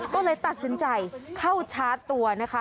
ก็เลยตัดสินใจเข้าชาร์จตัวนะคะ